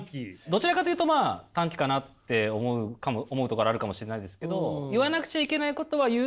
どちらかというとまあ短気かなって思うところがあるかもしれないですけど。